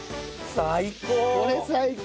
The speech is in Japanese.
最高！